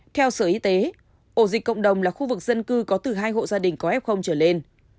theo sở y tế ổ dịch cộng đồng là khu vực dân cư có từ hai hộ gia đình có f trở lên